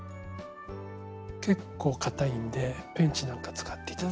結構かたいんでペンチなんか使って頂いてもいいです。